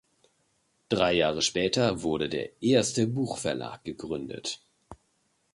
Drei Jahre später wurde der erste Buchverlag gegründet.